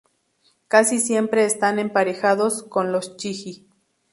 Casi siempre están emparejados con los "chigi".